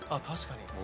確かに。